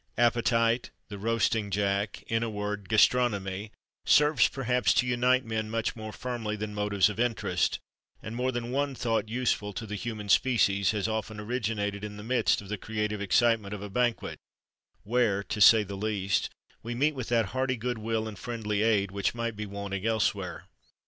Appetite, the roasting jack, in a word, gastronomy, serves perhaps to unite men much more firmly than motives of interest; and more than one thought useful to the human species has often originated in the midst of the creative excitement of a banquet, where, to say the least, we meet with that hearty goodwill and friendly aid which might be wanting elsewhere.